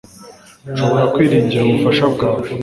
Nshobora kwiringira ubufasha bwawe